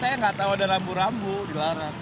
saya nggak tahu ada rambu rambu di larang